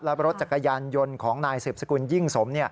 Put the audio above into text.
และรถจักรยานยนต์ของนายสืบสกุลยิ่งสม